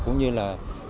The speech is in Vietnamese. cũng như là